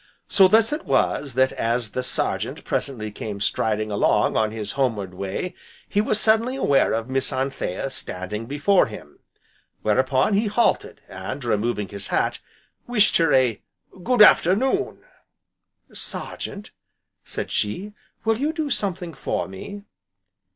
So thus it was that as the Sergeant presently came striding along on his homeward way, he was suddenly aware of Miss Anthea standing before him; whereupon he halted, and removing his hat, wished her a "good afternoon!" "Sergeant," said she, "will you do something for me?"